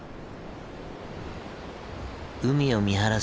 海を見晴らす